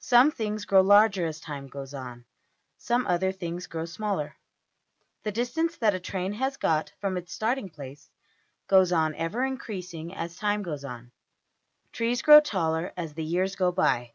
Some things grow larger as time goes on; some other things grow smaller. The distance that a train has got from its starting place goes on ever increasing as time goes on. Trees grow taller as the years go by.